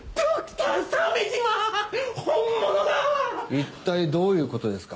一体どういう事ですか？